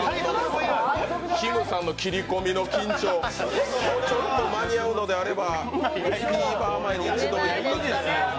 きむさんの切り込みの緊張ちょっと間に合うのであれば、ＴＶｅｒを。